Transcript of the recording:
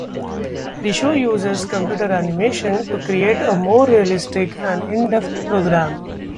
The show uses computer animation to create a more realistic and in depth program.